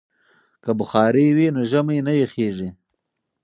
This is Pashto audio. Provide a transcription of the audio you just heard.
که بخارۍ وي نو ژمی نه یخیږي.